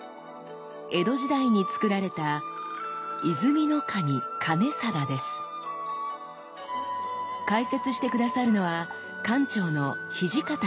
江戸時代につくられた解説して下さるのは館長の土方愛さん。